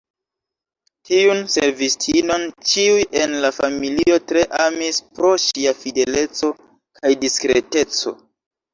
Tiun servistinon ĉiuj en la familio tre amis pro ŝia fideleco kaj diskreteco.